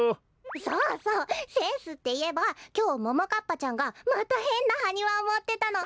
そうそうセンスっていえばきょうももかっぱちゃんがまたへんなハニワをもってたの。